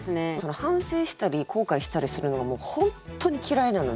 反省したり後悔したりするのがもう本当に嫌いなので。